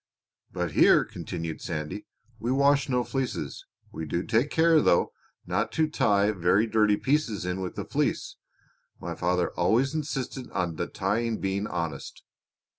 "But here," continued Sandy, "we wash no fleeces. We do take care, though, not to tie very dirty pieces in with the fleece. My father always insisted on the tying being honest.